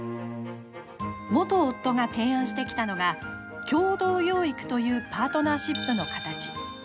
元夫が提案してきたのが共同養育というパートナーシップの形。